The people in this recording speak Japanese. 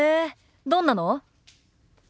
どんなの？